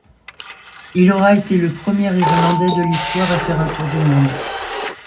Il aura été le premier Irlandais de l'histoire à faire un tour du monde.